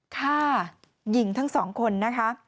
ฆ่าหญิงทั้งสองคนนะคะ